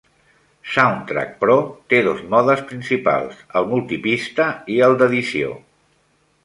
Soundtrack Pro té dos modes principals: el multipista i el d'edició.